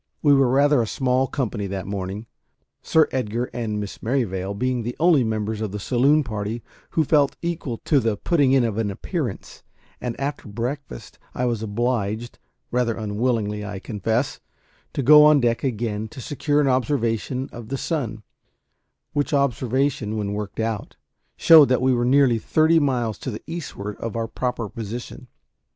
We were rather a small company that morning, Sir Edgar and Miss Merrivale being the only members of the saloon party who felt equal to the putting in of an appearance; and after breakfast I was obliged rather unwillingly, I confess to go on deck again to secure an observation of the sun, which observation, when worked out, showed that we were nearly thirty miles to the eastward of our proper position.